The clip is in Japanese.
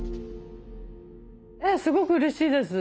ええすごくうれしいです。